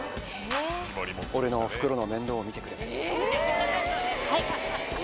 俺のおふくろの面倒を見てくはい。